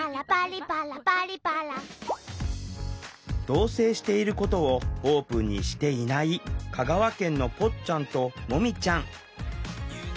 同せいしていることをオープンにしていない香川県のぽっちゃんともみちゃん。